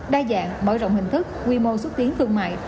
đa dạng mở rộng hình thức quy mô xuất tiến thương mại